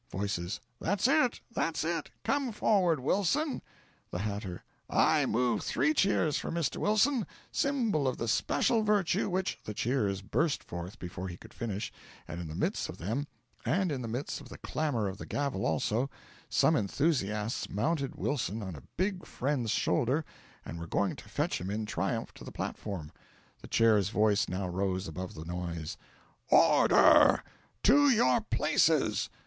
Voices. "That's it! That's it! Come forward, Wilson!" The Hatter. "I move three cheers for Mr. Wilson, Symbol of the special virtue which " The cheers burst forth before he could finish; and in the midst of them and in the midst of the clamour of the gavel also some enthusiasts mounted Wilson on a big friend's shoulder and were going to fetch him in triumph to the platform. The Chair's voice now rose above the noise: "Order! To your places!